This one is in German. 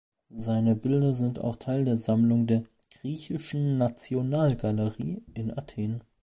Seine Bilder sind auch Teil der Sammlung der "Griechischen Nationalgalerie" in Athen.